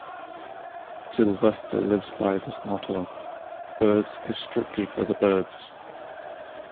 Sylvester lives by this motto: Birds is strictly for the birds!